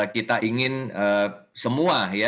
kita ingin semua ya